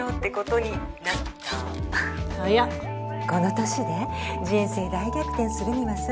この年で人生大逆転するにはさ